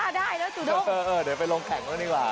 ถ้าได้แล้วสูด้มเดี๋ยวไปลงแข่งด้วยก่อนดีกว่า